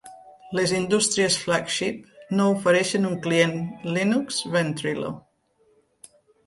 Les indústries Flagship no ofereixen un client Linux Ventrilo.